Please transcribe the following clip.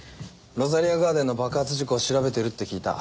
ロザリアガーデンの爆発事故を調べてるって聞いた。